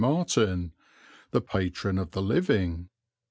Martyn, the patron of the living.